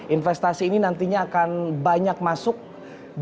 investasi ini nantinya akan banyak masuk di sektor investasi